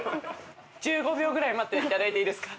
１５秒ぐらい待っていただいていいですか？